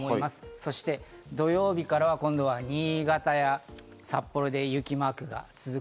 そして土曜日からは、新潟や札幌で雪マークが続く。